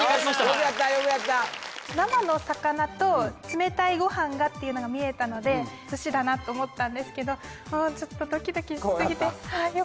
よくやったよくやった生の魚と冷たいご飯がっていうのが見えたのでｓｕｓｈｉだなと思ったんですけどちょっとドキドキしすぎて怖かった？